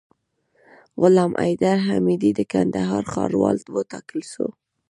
غلام حیدر حمیدي د کندهار ښاروال وټاکل سو